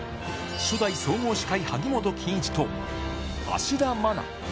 初代総合司会、萩本欽一と、芦田愛菜。